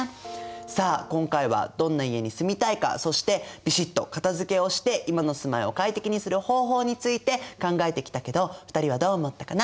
さあ今回はどんな家に住みたいかそしてビシッとかたづけをして今の住まいを快適にする方法について考えてきたけど２人はどう思ったかな？